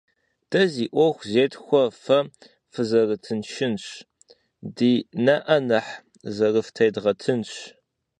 Дэ зи Ӏуэху зетхуэр фэ фызэрытыншынщ, ди нэӀэ нэхъ зэрыфтедгъэтынщ.